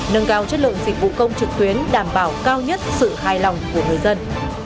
nâng cao chất lượng dịch vụ công trực tuyến đảm bảo cao nhất sự hài lòng của người dân